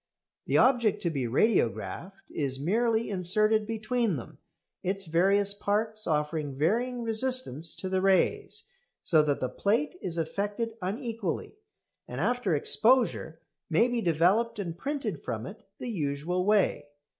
The object to be radiographed is merely inserted between them, its various parts offering varying resistance to the rays, so that the plate is affected unequally, and after exposure may be developed and printed from it the usual way.